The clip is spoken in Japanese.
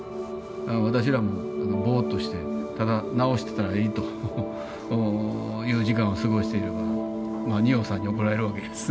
私らもぼっとしてただ直してたらいいという時間を過ごしていれば仁王さんに怒られるわけです。